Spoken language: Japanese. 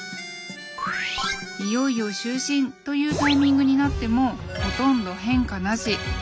いよいよ就寝というタイミングになってもほとんど変化なし。